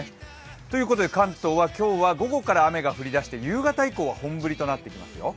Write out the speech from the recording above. ということで関東は今日は午後から雨が降りだして夕方以降は本降りとなっていきますよ。